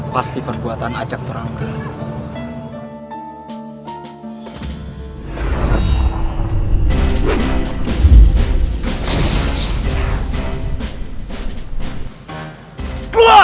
pasti perbuatan ajak turangga